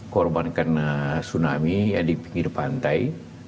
korban karena tsunami di pinggir pantai